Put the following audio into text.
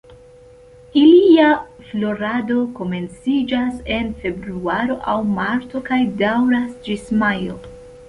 Ilia florado komenciĝas en Februaro aŭ Marto kaj daŭras ĝis Majo.